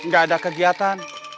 gak ada kegiatan